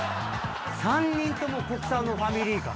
３人とも国産のファミリーカー。